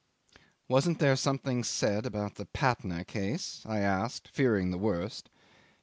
"Wasn't there something said about the Patna case?" I asked, fearing the worst.